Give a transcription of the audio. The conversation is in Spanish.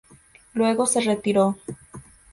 Luego se retiró.